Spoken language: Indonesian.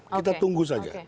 kita tunggu saja